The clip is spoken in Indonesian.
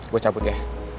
gue cabut ya